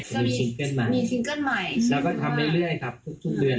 มีซิงเกิ้ลใหม่เราก็ทำเรื่อยครับทุกเดือน